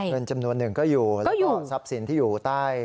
เงินจำนวนหนึ่งก็อยู่แล้วก็ทรัพย์สินที่อยู่ใต้